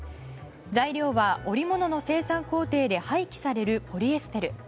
材料は、織物の生産工程で廃棄されるポリエステル。